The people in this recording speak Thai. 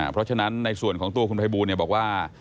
เพราะฉะนั้นในส่วนของตัวคุณภัยบูลบอกว่า